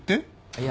いや。